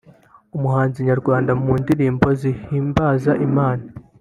umuhanzi nyarwanda mu ndirimbo zihimbaza Imana